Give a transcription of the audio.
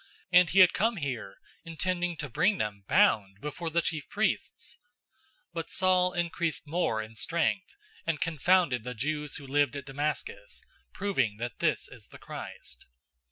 And he had come here intending to bring them bound before the chief priests!" 009:022 But Saul increased more in strength, and confounded the Jews who lived at Damascus, proving that this is the Christ.